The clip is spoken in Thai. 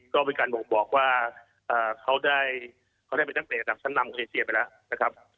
ก็เป็นการบอกว่าเขาได้เป็นนักเรทดับสั้น๕ในเอเชียไปแล้วนะครับ